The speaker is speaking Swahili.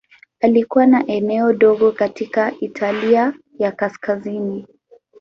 Alikuwa na eneo dogo katika Italia ya Kaskazini.